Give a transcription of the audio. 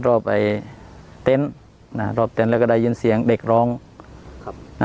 รอบไอ้เต็นต์รอบเต็นต์แล้วก็ได้ยินเสียงเด็กร้องครับ